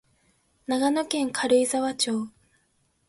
長野県軽井沢町